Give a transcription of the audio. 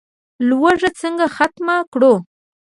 لوږه څنګه ختمه کړو؟